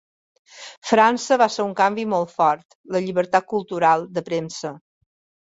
França va ser un canvi molt fort: la llibertat cultural, de premsa…